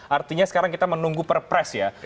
artinya sekarang kita menunggu perpres ya